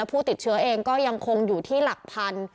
ผู้ติดเชื้อเองก็ยังคงอยู่ที่หลักพัน